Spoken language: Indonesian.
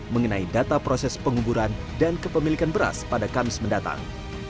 mengenai data proses penguburan dan kepemilikan beras pada kamis mendatang